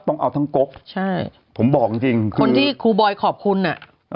ต้องเอาทั้งกกใช่ผมบอกจริงจริงคุณคนที่ครูบอยขอบคุณอ่ะ